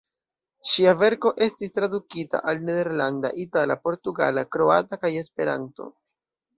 Ŝia verko estis tradukita al nederlanda, itala, portugala, kroata kaj Esperanto.